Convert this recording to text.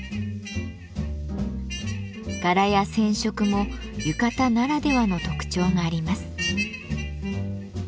柄や染色も浴衣ならではの特徴があります。